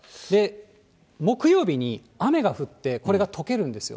木曜日に雨が降って、これがとけるんですよ。